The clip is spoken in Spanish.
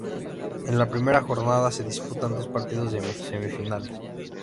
En la primera jornada se disputan dos partidos de semifinales.